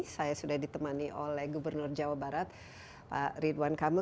saya sudah ditemani oleh gubernur jawa barat pak ridwan kamil